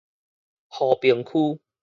和平區